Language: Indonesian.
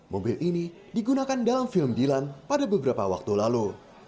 mobil ini digunakan dalam film dilan pada beberapa waktu lalu